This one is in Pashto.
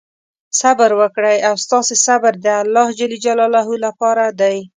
صبر وکړئ او ستاسې صبر د الله لپاره دی.